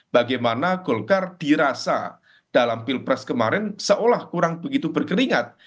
bagaimana golkar dirasa dalam pilpres kemarin seolah kurang begitu berkeringat